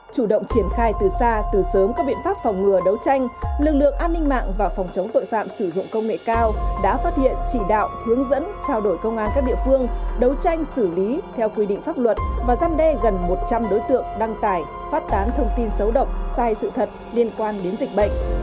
chủ động triển khai từ xa từ sớm các biện pháp phòng ngừa đấu tranh lực lượng an ninh mạng và phòng chống tội phạm sử dụng công nghệ cao đã phát hiện chỉ đạo hướng dẫn trao đổi công an các địa phương đấu tranh xử lý theo quy định pháp luật và gian đe gần một trăm linh đối tượng đăng tải phát tán thông tin xấu độc sai sự thật liên quan đến dịch bệnh